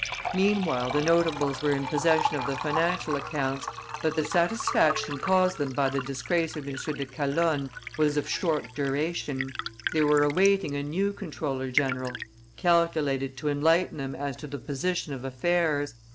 Meanwhile the notables were in possession of the financial accounts, but the satisfaction caused them by the disgrace of M. de Calonne was of short duration; they were awaiting a new comptroller general, calculated to enlighten them as to the position of affairs.